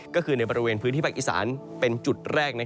ก็คือในบริเวณพื้นที่ภาคอีสานเป็นจุดแรก